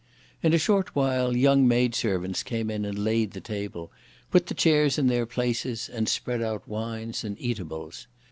In a short while, young maid servants came in and laid the table, put the chairs in their places, and spread out wines and eatables.